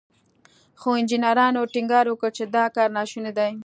خو انجنيرانو ټينګار وکړ چې دا کار ناشونی دی.